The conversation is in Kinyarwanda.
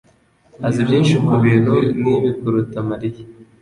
azi byinshi kubintu nkibi kuruta Mariya.